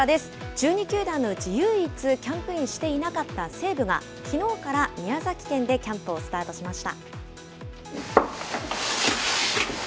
１２球団のうち、唯一キャンプインしていなかった西武が、きのうから宮崎県でキャンプをスタートしました。